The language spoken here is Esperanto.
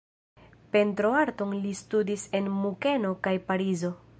Pentroarton li studis en Munkeno kaj Parizo.